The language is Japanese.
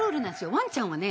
ワンちゃんはね。